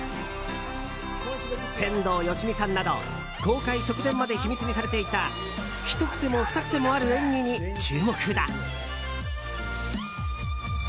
天童よしみさんなど公開直前まで秘密にされていたひと癖もふた癖もある演技に注目だ。